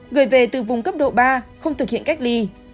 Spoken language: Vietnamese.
người về từ vùng cấp độ ba không thực hiện cách ly